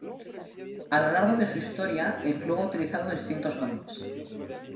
A lo largo de su historia, el club ha utilizado distintos nombres.